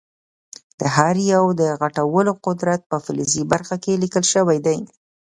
د هر یو د غټولو قدرت په فلزي برخه کې لیکل شوی دی.